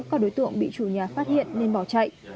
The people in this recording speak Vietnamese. các đối tượng bị chủ nhà phát hiện nên bỏ chạy